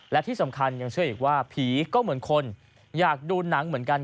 และที่สำคัญยังเชื่ออีกว่าผีก็เหมือนคนอยากดูหนังเหมือนกัน